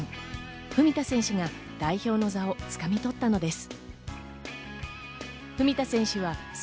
文田選手が代表の座を掴み取ったのです。